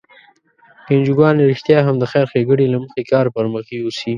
که انجوګانې رښتیا هم د خیر ښیګڼې له مخې کار پر مخ یوسي.